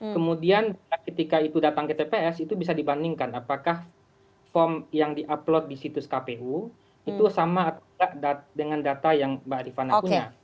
kemudian ketika itu datang ke tps itu bisa dibandingkan apakah form yang di upload di situs kpu itu sama atau tidak dengan data yang mbak rifana punya